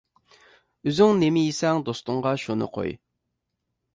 ئۆزۈڭ نېمە يېسەڭ، دوستۇڭغا شۇنى قوي.